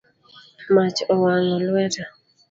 Mach owang’o lweta